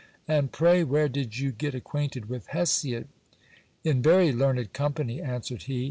And pray where did you get acquainted with Hesiod ? In very learned company, answered he.